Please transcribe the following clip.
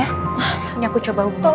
ini aku coba hubungi catherine